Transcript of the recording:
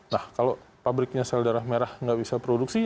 nah kalau pabriknya sel darah merah nggak bisa produksi